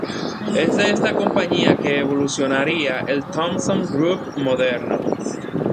Es de esta compañía que evolucionaría el Thomson Group moderno.